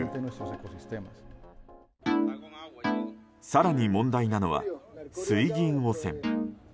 更に問題なのは、水銀汚染。